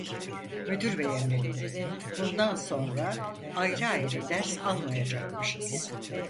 Müdür bey emretti, bundan sonra ayrı ayrı ders almayacakmışız.